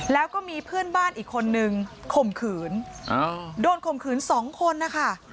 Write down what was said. แล้วก็มีเพื่อนบ้านอีกคนนึงข่มขืนโดนข่มขืนสองคนนะคะ